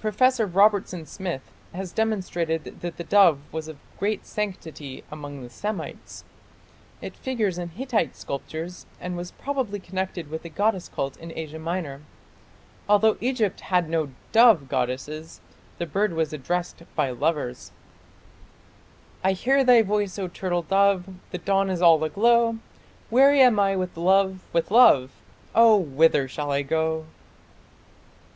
Professor Robertson Smith has demonstrated that the dove was of great sanctity among the Semites. It figures in Hittite sculptures and was probably connected with the goddess cult in Asia Minor. Although Egypt had no dove goddess, the bird was addressed by lovers I hear thy voice, O turtle dove The dawn is all aglow Weary am I with love, with love, Oh, whither shall I go?